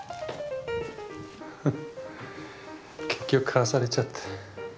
結局買わされちゃった。